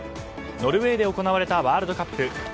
ノルウェーで行われたワールドカップ。